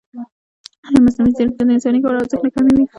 ایا مصنوعي ځیرکتیا د انساني کار ارزښت نه کموي؟